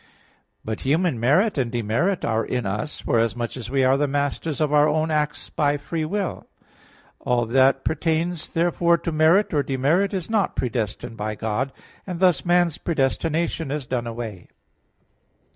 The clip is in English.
But human merit and demerit are in us, forasmuch as we are the masters of our own acts by free will. All that pertains therefore to merit or demerit is not predestined by God; and thus man's predestination is done away.